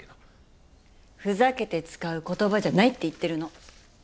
ふざけて使う言葉じゃないって言ってるの。